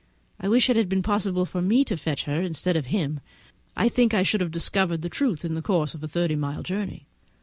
I wish it had been possible for me to fetch her instead of him. I think I should have discovered the truth in the course of a thirty mile journey.